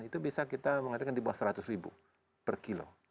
itu bisa kita mengatakan di bawah seratus ribu per kilo